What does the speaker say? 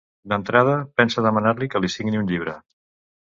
D'entrada, pensa demanar-li que li signi un llibre.